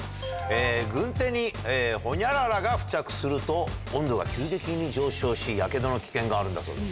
軍手にホニャララが付着すると、温度が急激に上昇し、やけどの危険があるんだそうです。